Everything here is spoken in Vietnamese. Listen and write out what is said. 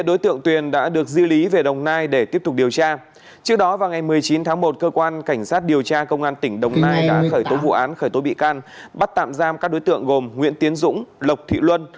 công an tỉnh đồng nai đã khởi tố vụ án khởi tố bị can bắt tạm giam các đối tượng gồm nguyễn tiến dũng lộc thị luân